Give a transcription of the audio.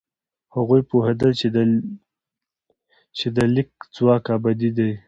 هغوی پوهېدل چې د لیک ځواک ابدي دی.